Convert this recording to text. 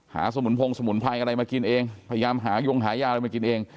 สมุนพงสมุนไพรอะไรมากินเองพยายามหายงหายาอะไรมากินเอง